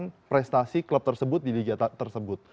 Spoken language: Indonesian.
dengan prestasi klub tersebut di liga tersebut